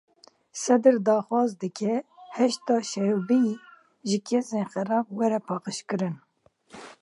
Sedr daxwaz dike Heşda Şeibî ji kesên xerab were paqijkirin.